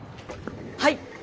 はい！